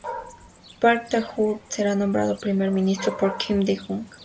Park Tae-joon será nombrado Primer Ministro por Kim Dae-Jung.